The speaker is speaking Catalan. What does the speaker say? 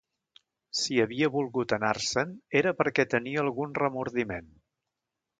Si havia volgut anar-se'n, era perquè tenia algun remordiment.